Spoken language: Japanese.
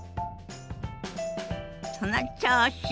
その調子！